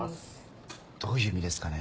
どういう意味ですかね？